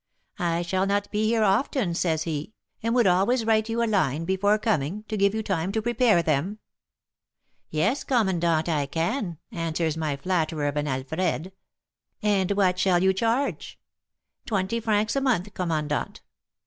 I shall not be here often,' says he, 'and would always write you a line before coming, to give you time to prepare them.' 'Yes, commandant, I can,' answers my flatterer of an Alfred. 'And what shall you charge?' 'Twenty francs a month, commandant.'